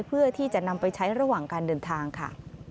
เพื่อที่จะนำไปใช้ระหว่างการเดินทางค่ะ